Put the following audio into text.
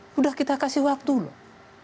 sudah kita kasih waktu loh